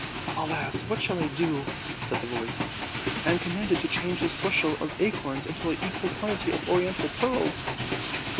"Alas! what shall I do?" said the voice; "I am commanded to change this bushel of acorns into an equal quantity of oriental pearls."